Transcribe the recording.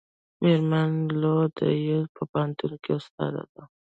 میرمن لو د ییل په پوهنتون کې استاده ده.